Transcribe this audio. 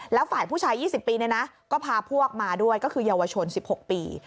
แล้วฝ่ายผู้ชายยี่สิบปีเนี่ยนะก็พาพวกมาด้วยก็คือยวชนสิบหกปี